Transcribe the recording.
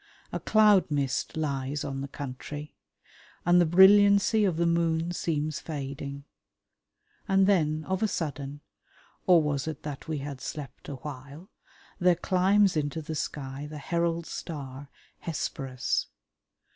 A cloud mist lies on the country, and the brilliancy of the moon seems fading. And then of a sudden or was it that we had slept awhile? there climbs into the sky the herald star, Hesperus.